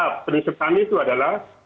prinsip kami itu adalah